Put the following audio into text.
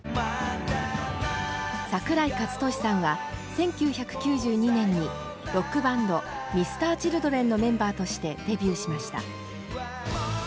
桜井和寿さんは１９９２年にロックバンドＭｒ．Ｃｈｉｌｄｒｅｎのメンバーとしてデビューしました。